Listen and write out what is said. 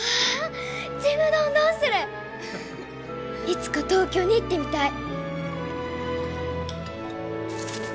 いつか東京に行ってみたい。